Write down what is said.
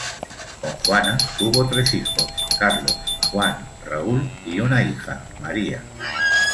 Con Juana tuvo tres hijos, Carlos, Juan, Raúl y una hija, María.